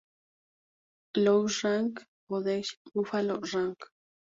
Louis Rag," o "The Buffalo Rag".